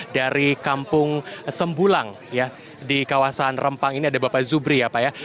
dari kampung sembulang di kawasan rempang ini ada bapak zubri ya pak ya